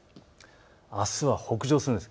あすは北上するんです。